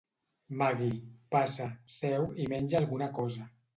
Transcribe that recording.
Maggie, passa, seu i menja alguna cosa.